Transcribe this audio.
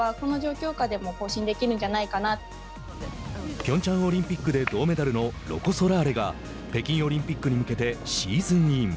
ピョンチャンオリンピックで銅メダルのロコ・ソラーレが北京オリンピックに向けてシーズンイン。